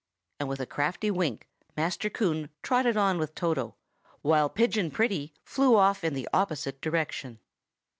and with a crafty wink, Master Coon trotted on with Toto, while Pigeon Pretty flew off in the opposite direction.